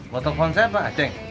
mau telepon saya pak aceh